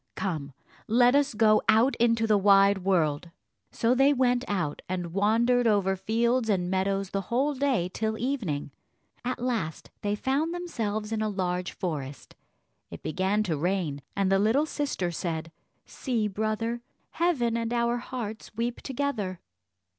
Come, let us go out into the wide world!" So they went out, and wandered over fields and meadows the whole day till evening. At last they found themselves in a large forest; it began to rain, and the little sister said, "See, brother, heaven and our hearts weep together."